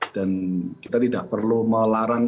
dan kita tidak perlu melarang